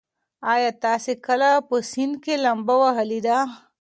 ایا تاسي کله په سیند کې لامبو وهلې ده؟